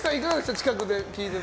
近くで聴いてて。